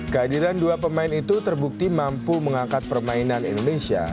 kehadiran dua pemain itu terbukti mampu mengangkat permainan indonesia